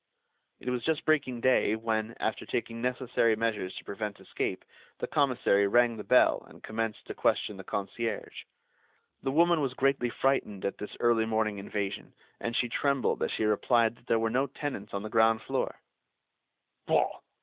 It was just breaking day when, after taking necessary measures to prevent escape, the commissary rang the bell and commenced to question the concierge. The woman was greatly frightened at this early morning invasion, and she trembled as she replied that there were no tenants on the ground floor.